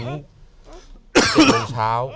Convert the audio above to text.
๖นโมงเช้า